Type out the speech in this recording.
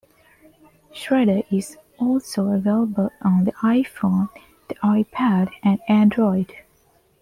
Shredder is also available on the iPhone, the iPad and Android.